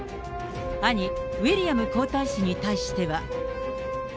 兄、ウィリアム皇太子に対しては。